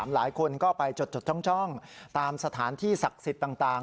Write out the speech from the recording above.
หลายคนก็ไปจดจ้องตามสถานที่ศักดิ์สิทธิ์ต่าง